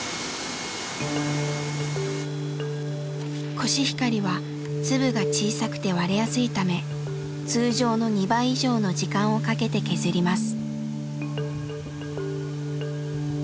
コシヒカリは粒が小さくて割れやすいため通常の２倍以上の時間をかけて削ります。